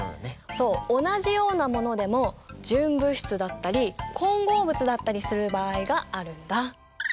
そう同じようなものでも純物質だったり混合物だったりする場合があるんだ。